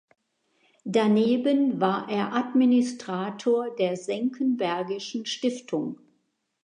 Daneben war er Administrator der Senckenbergischen Stiftung.